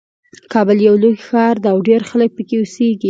کابل یو لوی ښار ده او ډېر خلک پکې اوسیږي